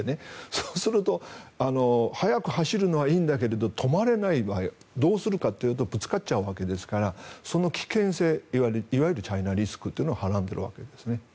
そうすると速く走るのはいいんだけれど止まれない場合どうするかというとぶつかっちゃうわけですからその危険性いわゆるチャイナリスクをはらんでいるわけですね。